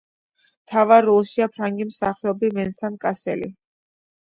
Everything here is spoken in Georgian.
მთავარ როლშია ფრანგი მსახიობი ვენსან კასელი.